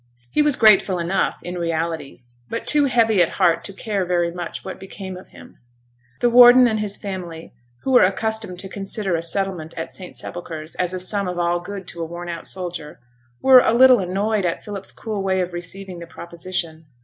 He was grateful enough in reality, but too heavy at heart to care very much what became of him. The warden and his family, who were accustomed to consider a settlement at St Sepulchre's as the sum of all good to a worn out soldier, were a little annoyed at Philip's cool way of receiving the proposition.